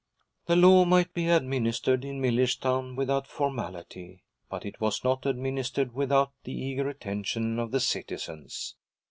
The law might be administered in Millerstown without formality, but it was not administered without the eager attention of the citizens.